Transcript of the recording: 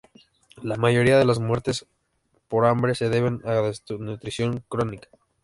La mayoría de las muertes por hambre se deben a desnutrición crónica.